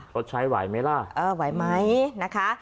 ดใช้ไหวไหมล่ะเออไหวไหมนะคะ